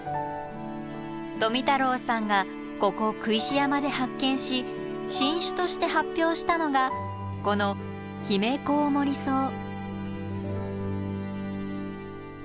富太郎さんがここ工石山で発見し新種として発表したのがこのヒメコウモリソウ。